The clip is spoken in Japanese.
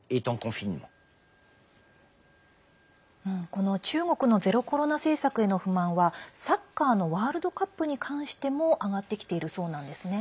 この中国のゼロコロナ政策への不満はサッカーのワールドカップに関しても上がってきているそうなんですね。